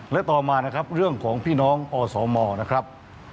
และต่อมานะครับเรื่องของพี่น้องอสมนะครับ